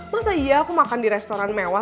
masa iya aku makan di restoran mewah